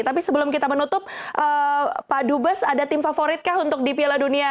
tapi sebelum kita menutup pak dubes ada tim favorit kah untuk di piala dunia